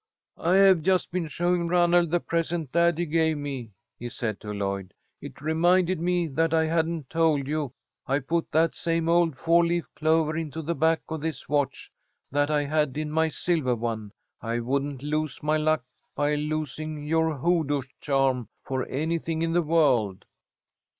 "I have just been showing Ranald the present Daddy gave me," he said to Lloyd. "It reminded me that I hadn't told you, I've put that same old four leaf clover into the back of this watch that I had in my silver one. I wouldn't lose my luck by losing your hoodoo charm for anything in the world."